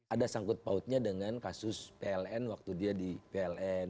ada sangkut pautnya dengan kasus pln waktu dia di pln